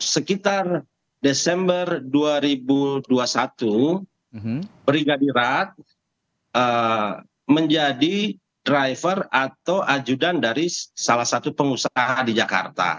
sekitar desember dua ribu dua puluh satu brigadirat menjadi driver atau ajudan dari salah satu pengusaha di jakarta